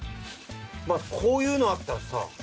まあこういうのあったらさ。